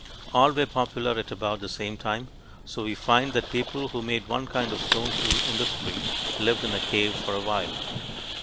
All were popular at about the same time. So we find that people who made one kind of stone tool industry lived in a cave for a while.